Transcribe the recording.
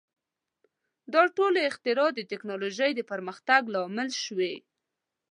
• دا ټولې اختراع د ټیکنالوژۍ د پرمختګ لامل شوې.